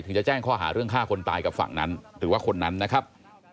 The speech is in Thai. จะแจ้งข้อหาเรื่องฆ่าคนตายกับฝั่งนั้นหรือว่าคนนั้นนะครับ